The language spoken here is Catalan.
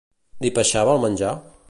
Li peixava el menjar?